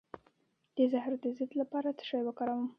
د زهرو د ضد لپاره باید څه شی وکاروم؟